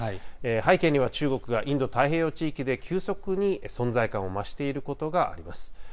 背景には、中国がインド太平洋地域で急速に存在感を増していることがあります。